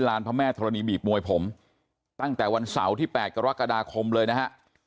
พระแม่ธรณีบีบมวยผมตั้งแต่วันเสาร์ที่๘กรกฎาคมเลยนะฮะ